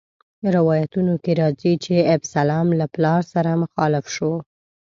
روایتونو کې راځي چې ابسلام له پلار سره مخالف شو.